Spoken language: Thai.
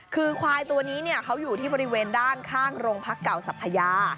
คือควายตัวนี้เขาอยู่ที่บริเวณด้านข้างโรงพักเก่าสัพพยา